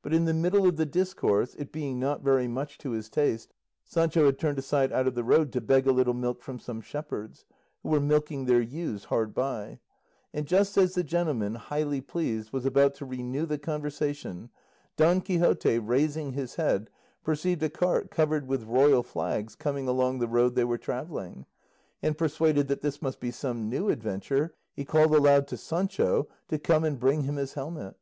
But in the middle of the discourse, it being not very much to his taste, Sancho had turned aside out of the road to beg a little milk from some shepherds, who were milking their ewes hard by; and just as the gentleman, highly pleased, was about to renew the conversation, Don Quixote, raising his head, perceived a cart covered with royal flags coming along the road they were travelling; and persuaded that this must be some new adventure, he called aloud to Sancho to come and bring him his helmet.